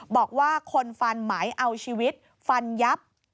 บอกว่าคนฟันหมายเอาชีวิตฟันยับ